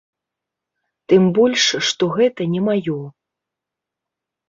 Тым больш, што гэта не маё.